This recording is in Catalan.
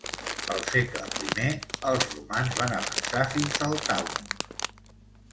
Al segle primer, els romans van avançar fins al Taunus.